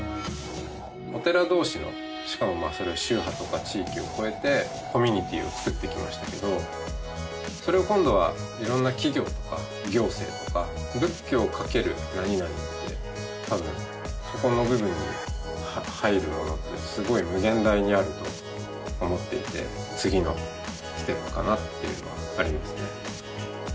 お寺同士のしかもまあそれは宗派とか地域を超えてコミュニティーをつくってきましたけどそれを今度はいろんな企業とか行政とか仏教×○○って多分そこの部分に入るものってすごい無限大にあると思っていて次のステップかなっていうのはありますね